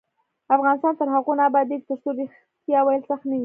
افغانستان تر هغو نه ابادیږي، ترڅو ریښتیا ویل سخت نه وي.